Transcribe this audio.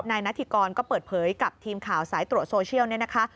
นาธิกรก็เปิดเผยกับทีมข่าวสายตรวจโซเชียลเนี่ยนะคะ